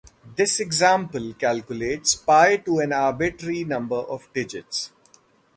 This example calculates pi to an arbitrary number of digits.